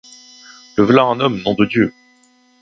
Le v’là un homme, nom de Dieu!